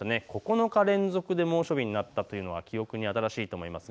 ９日連続で猛暑日になったというのは記憶に新しいと思います。